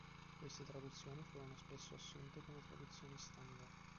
Queste traduzioni furono spesso assunte come traduzioni standard.